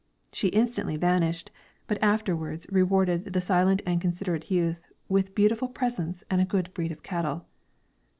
She instantly vanished, but afterwards rewarded the silent and considerate youth with beautiful presents and a good breed of cattle.